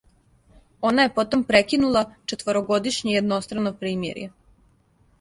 Она је потом прекинула четворогодишње једнострано примирје.